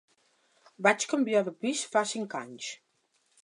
Vaig canviar de pis fa cinc anys!